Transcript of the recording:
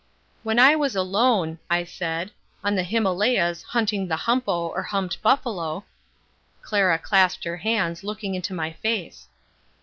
"When I was alone," I said, "on the Himalayas hunting the humpo or humped buffalo " Clara clasped her hands, looking into my face.